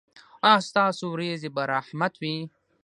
ایا ستاسو ورېځې به رحمت وي؟